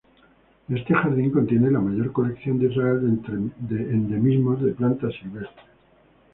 Este jardín contiene la mayor colección de Israel de endemismos de plantas silvestres.